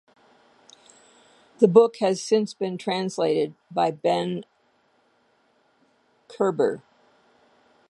The book since been translated by Ben Koerber.